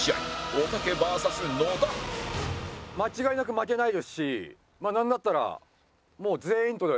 間違いなく負けないですしなんだったら。